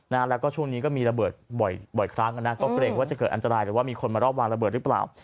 นะฮะแล้วก็ช่วงนี้ก็มีระเบิดบ่อยบ่อยครั้งอ่ะนะก็เกรงว่าจะเกิดอันตรายหรือว่ามีคนมารอบวางระเบิดหรือเปล่า